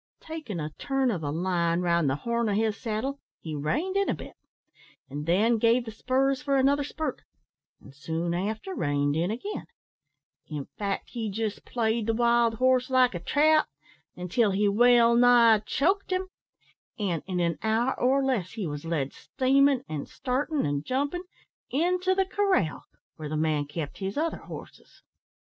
Takin' a turn o' the line round the horn of his saddle, he reined in a bit, and then gave the spurs for another spurt, and soon after reined in again in fact, he jist played the wild horse like a trout, until he well nigh choked him; an', in an hour, or less, he was led steamin', and startin', and jumpin', into the corral, where the man kept his other horses."